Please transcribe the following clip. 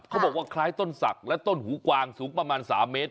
เขาบอกว่าคล้ายต้นศักดิ์และต้นหูกวางสูงประมาณ๓เมตร